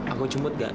aku cemut gak